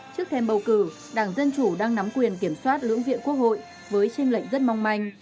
trước thêm bầu cử đảng dân chủ đang nắm quyền kiểm soát lưỡng viện quốc hội với tranh lệnh rất mong manh